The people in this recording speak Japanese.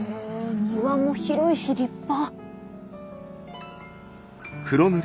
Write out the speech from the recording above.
庭も広いし立派。